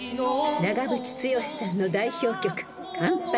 ［長渕剛さんの代表曲『乾杯』］